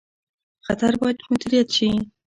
خطر باید مدیریت شي